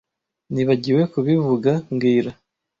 Nibagiwe kubivuga mbwira